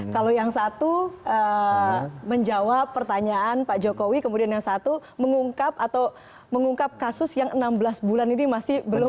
kalau yang satu menjawab pertanyaan pak jokowi kemudian yang satu mengungkap atau mengungkap kasus yang enam belas bulan ini masih belum